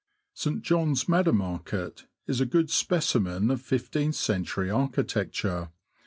St. John's, Maddermarket, is a good specimen of fifteenth century architecture.